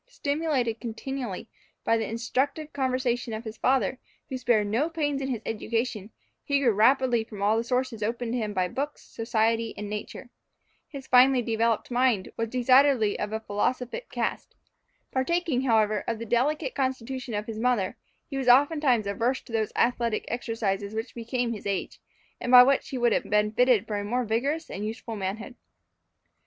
Stimulated continually by the instructive conversation of his father, who spared no pains in his education, he drew rapidly from all the sources opened to him by books, society, and nature. His finely developed mind was decidedly of a philosophic cast. Partaking, however, of the delicate constitution of his mother, he was oftentimes averse to those athletic exercises which became his age, and by which he would have been fitted for a more vigorous and useful manhood.